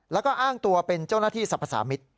แล้วก็อ้างตัวเป็นเจ้าหน้าที่สรรพสามิตร